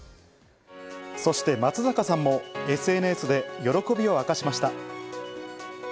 そして松坂さんもＳＮＳで喜びを明かしました。